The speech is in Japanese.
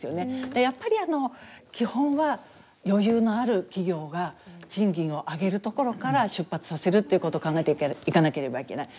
でやっぱり基本は余裕のある企業が賃金を上げるところから出発させるということを考えていかなければいけない。